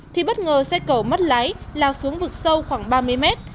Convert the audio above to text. thì bất ngờ xe cẩu mất lái lao xuống vực sâu khoảng ba mươi mét